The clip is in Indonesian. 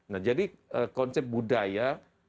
nah jadi konsep budaya